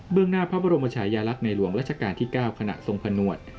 งหน้าพระบรมชายาลักษณ์ในหลวงรัชกาลที่๙ขณะทรงผนวด